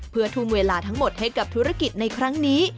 เพื่อทุ่มเวลาทั้งหมดให้กับธุรกิจในครั้งนี้